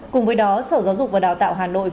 cùng với đó sở giáo dục và đào tạo hà nội